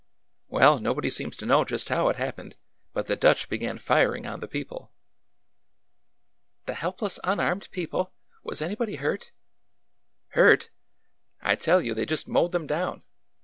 " Well, nobody seems to know just how it happened, but the Dutch began firing on the people." " The helpless, unarmed people? Was anybody hurt? "" Hurt! I tell you, they just mowed them down.